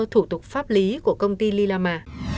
thủ tục pháp lý của công ty lilama